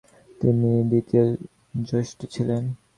তিনি দ্বিতীয় জ্যেষ্ঠ ছিলেন।